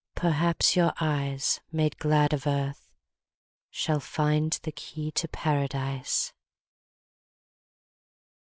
Perhaps your eyes, made glad of earth, Shall find the Key to Paradise.